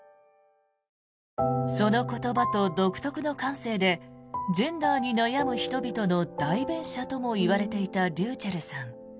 その言葉と独特の感性でジェンダーに悩む人々の代弁者ともいわれていたｒｙｕｃｈｅｌｌさん。